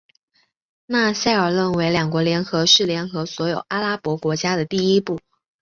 纳赛尔认为两国联合是联合所有阿拉伯国家的第一步。